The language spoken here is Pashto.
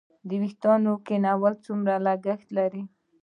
د ویښتو کینول څومره لګښت لري؟